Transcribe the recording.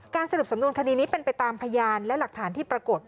สรุปสำนวนคดีนี้เป็นไปตามพยานและหลักฐานที่ปรากฏ